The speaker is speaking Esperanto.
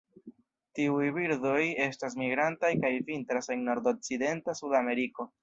Tiuj birdoj estas migrantaj kaj vintras en nordokcidenta Sudameriko.